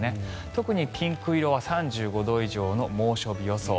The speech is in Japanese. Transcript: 特にピンク色は３５度以上の猛暑日予想。